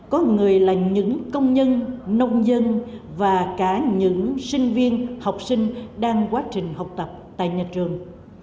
có người là những công nhân nông dân và cả những sinh viên học sinh đang quá trình học tập tại nhà trường